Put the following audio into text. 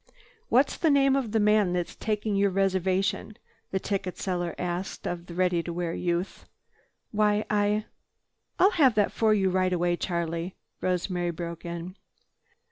"What's the name of the man that's taking your reservation?" the ticket seller asked of the ready to wear youth. "Why I—" "I'll have that for you right away, Charlie," Rosemary broke in.